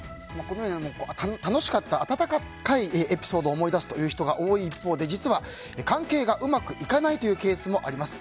楽しかった温かいエピソードを思い出すという人が多い一方で実は関係がうまくいかないというケースもあります。